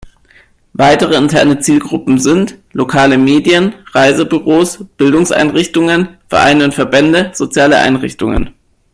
Weitere interne Zielgruppen sind: lokale Medien, Reisebüros, Bildungseinrichtungen, Vereine und Verbände, soziale Einrichtungen.